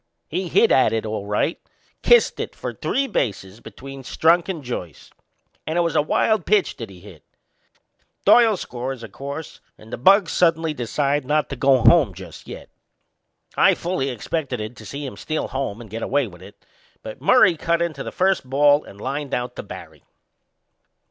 He hit at it all right kissed it for three bases between Strunk and Joyce! And it was a wild pitch that he hit. Doyle scores, o' course, and the bugs suddenly decide not to go home just yet. I fully expected to see him steal home and get away with it, but Murray cut into the first ball and lined out to Barry.